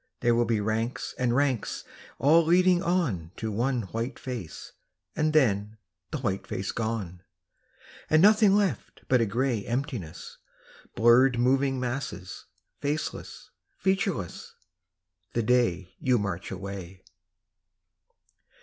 There will be ranks and ranks, all leading on To one white face, and then the white face gone, And nothing left but a gray emptiness Blurred moving masses, faceless, featureless The day you march away.